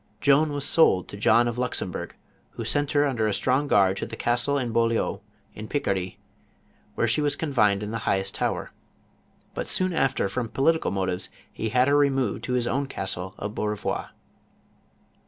Joan was sold to John of Luxembourg, who sent her under a strong guard to the castle of Beaulieu in Picardy, where she was confined in the highest tower; but soon after, from political motives, he had her re moved to his own castle of Bcaurevoir.